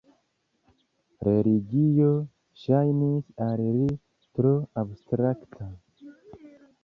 Religio ŝajnis al li tro abstrakta.